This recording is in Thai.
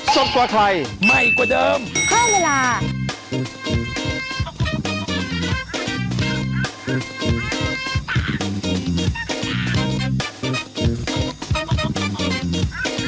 โปรดติดตามตอนต่อไป